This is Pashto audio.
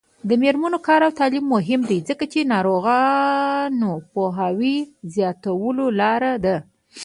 د میرمنو کار او تعلیم مهم دی ځکه چې ناروغیو پوهاوي زیاتولو لاره ده.